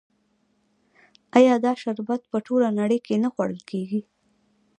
آیا دا شربت په ټوله نړۍ کې نه خوړل کیږي؟